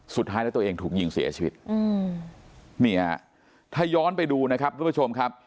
สุดท้ายแล้วตัวเองถูกยิงเสียชีวิตอืมนี่ฮะถ้าย้อนไปดูนะครับทุกผู้ชมครับ